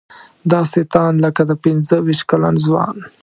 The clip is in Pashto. داسې تاند لکه د پنځه ویشت کلن ځوان.